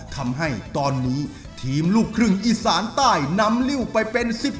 ทำให้ตอนนี้ทีมลูกครึ่งอีสานใต้นำริ้วไปเป็น๑๐